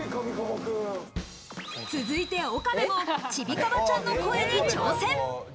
続いて、岡部もちびカバちゃんの声に挑戦。